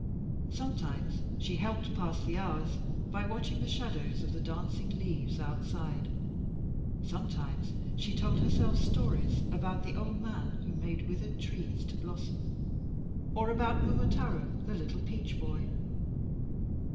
Sometimes she helped pass the hours by watching the shadows of the dancing leaves outside; sometimes she told herself stories about "The Old Man Who Made Withered Trees to Blossom," or about "Momotaro, the Little Peach Boy."